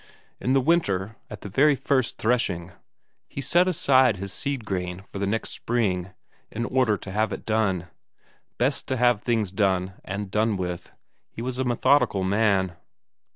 In the winter at the very first threshing he set aside his seed corn for the next spring, in order to have it done; best to have things done and done with; he was a methodical man.